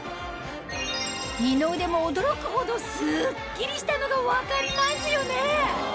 二の腕も驚くほどスッキリしたのが分かりますよね